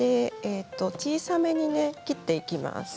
小さめにね、切っていきます。